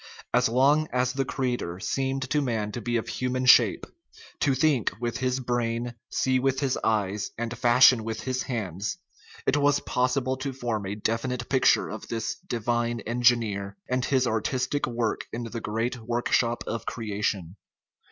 As long as the creator seemed to man to be of human shape, to think with his brain, see with his eyes, and fashion with his hands, it was possible to form a definite pict 261 THE RIDDLE OF THE UNIVERSE ure of this "divine engineer" and his artistic work in the great workshop of creation.